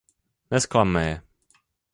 Nezklamme je.